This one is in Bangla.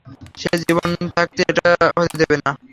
সে জীবন থাকতে এটা হতে দেবে না!